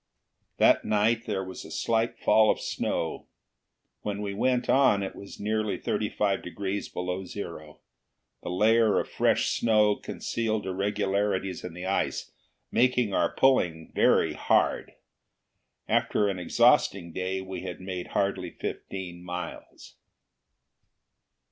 That night there was a slight fall of snow. When we went on it was nearly thirty five degrees below zero. The layer of fresh snow concealed irregularities in the ice, making our pulling very hard. After an exhausting day we had made hardly fifteen miles.